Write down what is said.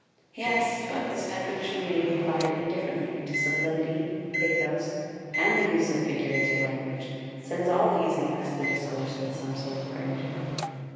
Yes, but this definition may be applied indifferently to sublimity, pathos, and the use of figurative language, since all these invest the discourse with some sort of grandeur.